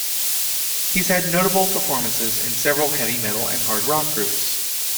He's had notable performances in several heavy metal and hard rock groups.